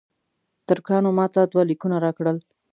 ترکانو ماته دوه لیکونه راکړل.